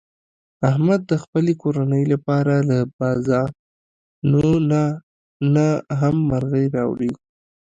احمد د خپلې کورنۍ لپاره له بازانونه نه هم مرغۍ راوړي.